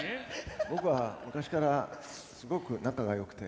僕は昔からすごく仲がよくて。